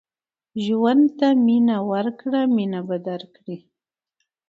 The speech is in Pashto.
ژوند ته مینه ورکړه مینه به درکړي